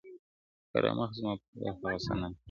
o که را مخ زما پر لور هغه صنم کا,